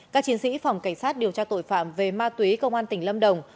các chiến sĩ phòng cảnh sát điều tra tội phạm về ma túy công an tỉnh lâm đồng